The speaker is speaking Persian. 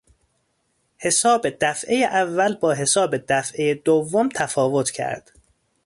حساب دفعهٔ اول با حساب دفعهٔ دوم تفاوت کرد.